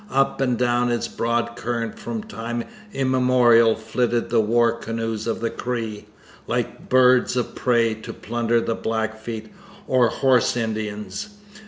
Up and down its broad current from time immemorial flitted the war canoes of the Cree, like birds of prey, to plunder the Blackfeet, or 'Horse Indians.'